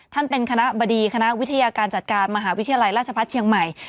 เป็นคณะบดีคณะวิทยาการจัดการมหาวิทยาลัยราชพัฒน์เชียงใหม่